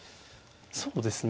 そうですね。